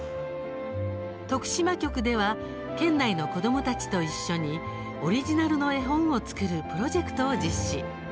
徳島局では県内の子どもたちと一緒にオリジナルの絵本を作るプロジェクトを実施。